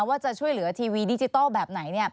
ว่าจะช่วยเหลือทีวีดิจิทัลแบบไหน